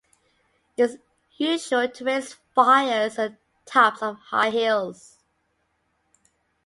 It is usual to raise fires on the tops of high hills.